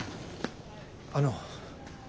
あの。